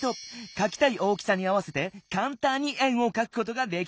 かきたい大きさに合わせてかんたんに円をかくことができるんだ。